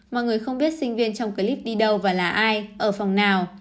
mọi người không biết sinh viên trong clip đi đâu và là ai ở phòng nào